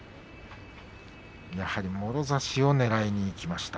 やはりもろ差しをねらいにいきました。